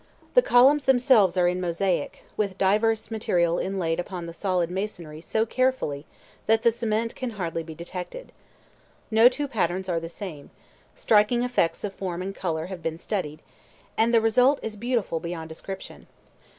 The columns themselves are in mosaic, with diverse material inlaid upon the solid masonry so carefully that the cement can hardly be detected. No two patterns are the same, striking effects of form and color have been studied, and the result is beautiful beyond description.